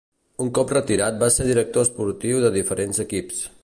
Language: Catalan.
Un cop retirat va ser director esportiu de diferents equips.